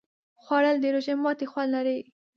خوړل د روژه ماتي خوند لري